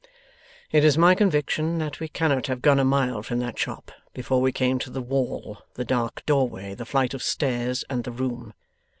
'It is my conviction that we cannot have gone a mile from that shop, before we came to the wall, the dark doorway, the flight of stairs, and the room.